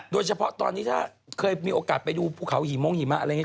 โดยเฉพาะตอนนี้ถ้าเคยมีโอกาสไปดูภูเขาหิมงหิมะอะไรอย่างนี้